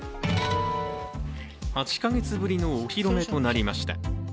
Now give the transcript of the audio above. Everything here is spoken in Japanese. ８か月ぶりのお披露目となりました。